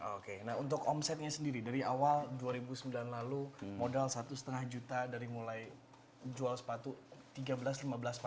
oke nah untuk omsetnya sendiri dari awal dua ribu sembilan lalu modal satu lima juta dari mulai jual sepatu rp tiga belas lima belas empat ratus